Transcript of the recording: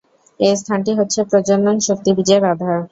এই স্থানটি হচ্ছে প্রজনন-শক্তিবীজের আধার।